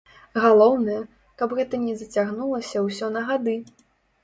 Галоўнае, каб гэта не зацягнулася ўсё на гады!